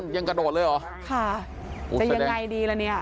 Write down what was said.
ยังกระโดดเลยเหรอค่ะจะยังไงดีล่ะเนี่ย